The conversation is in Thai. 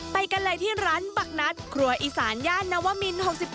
ไปกันเลยที่ร้านบักนัดครัวอีสานย่านนวมิน๖๗